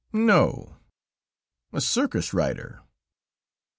"No; a circus rider."